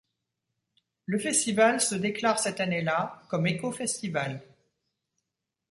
Le festival se déclare cette année-là comme éco-festival.